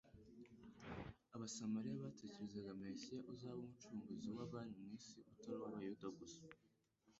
Abasamariya bategerezaga Mesiya uzaba Umucunguzi w'abari mu isi utari uw'Abayuda gusa.